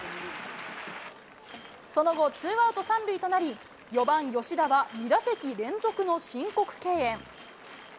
その後、ツーアウト３塁となり、４番吉田は２打席連続の申告敬遠。